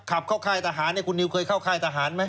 ขับเข้าค่ายทหารคุณนิวเคยเข้าค่ายทหารไหม